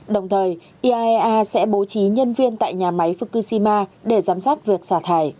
đồng thời iaea sẽ bố trí nhân viên tại nhà máy fukushima